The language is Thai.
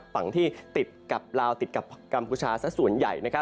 ฝั่งที่ติดกับลาวติดกับกัมพูชาสักส่วนใหญ่